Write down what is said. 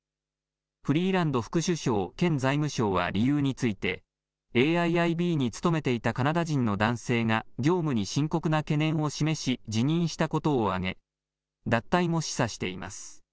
フリーランド副首相兼財務相は理由についてＡＩＩＢに勤めていたカナダ人の男性が業務に深刻な懸念を示し辞任したことを挙げ脱退も示唆しています。